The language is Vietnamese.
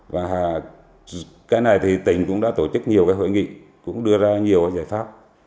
và cái này thì tỉnh cũng đã tổ chức nhiều cái hội nghị cũng đưa ra nhiều giải pháp